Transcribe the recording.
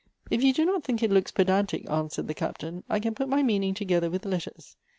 44 Goethe's " If you do not think it looks pedantic," answered the Captain, " I can put my meaning together with letters.